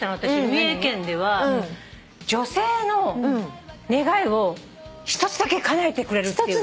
三重県では女性の願いを一つだけかなえてくれるっていう。